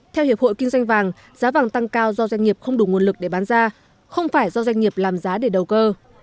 theo hiệp hội kinh doanh vàng giá vàng tăng cao do doanh nghiệp không đủ nguồn lực để bán ra không phải do doanh nghiệp làm giá để đầu cơ